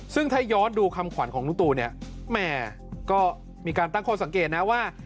ซึ่งถ้าย้อนดูคำขวัญของลุงตูเนี่ยแหมก็มีการตั้งข้อสังเกตนะว่า